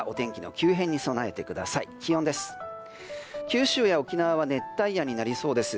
九州や沖縄は熱帯夜になりそうです。